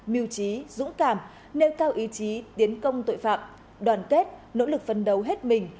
mưu trí dũng cảm nêu cao ý chí tiến công tội phạm đoàn kết nỗ lực phân đấu hết mình